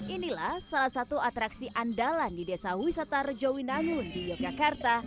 inilah salah satu atraksi andalan di desa wisata rejowinangun di yogyakarta